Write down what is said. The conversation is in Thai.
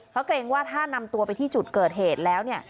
เพราะเกรงว่าถ้านำตัวไปที่จุดเกิดเหตุแล้วเนี่ย